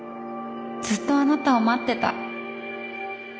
ずっとあなたを待ってた。